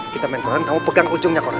kita main koran kamu pegang ujungnya koran